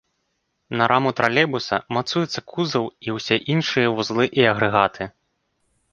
На раму тралейбуса мацуецца кузаў і ўсе іншыя вузлы і агрэгаты.